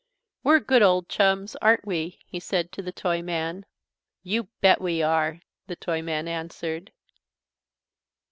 "We're good ole chums, aren't we?" he said to the Toyman. "You bet we are," the Toyman answered.